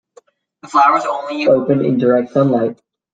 The flowers only open in direct sunlight.